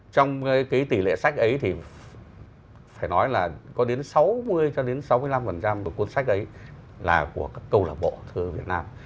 trong tỷ lệ sách ấy thì phải nói là có đến sáu mươi sáu mươi năm của cuốn sách ấy là của các câu lạc bộ thơ việt nam